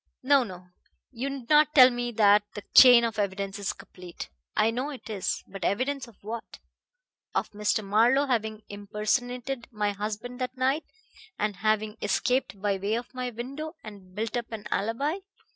No, no; you needn't tell me that the chain of evidence is complete. I know it is. But evidence of what? Of Mr. Marlowe having impersonated my husband that night, and having escaped by way of my window, and built up an alibi.